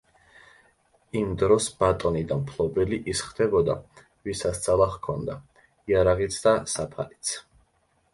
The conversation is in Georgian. იმ დროს ბატონი და მფლობელი ის ხდებოდა, ვისაც ძალა ჰქონდა, იარაღიც და საფარიც.